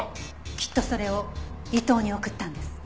きっとそれを伊藤に送ったんです。